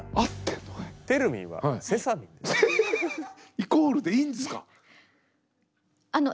イコールでいいんですか？